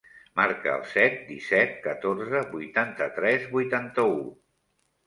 Marca el set, disset, catorze, vuitanta-tres, vuitanta-u.